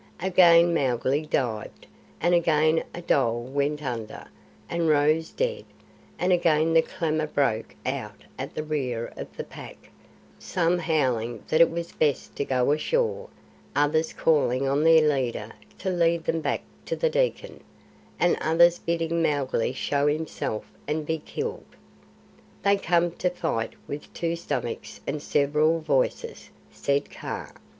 Again Mowgli dived, and again a dhole went under, and rose dead, and again the clamour broke out at the rear of the pack; some howling that it was best to go ashore, others calling on their leader to lead them back to the Dekkan, and others bidding Mowgli show himself and be killed. "They come to the fight with two stomachs and several voices," said Kaa.